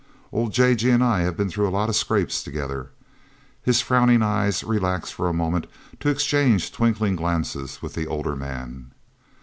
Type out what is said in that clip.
Old 'J. G.' and I have been through a lot of scraps together." His frowning eyes relaxed for a moment to exchange twinkling glances with the older man.